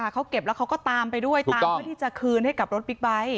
เขาเก็บแล้วเขาก็ตามไปด้วยตามเพื่อที่จะคืนให้กับรถบิ๊กไบท์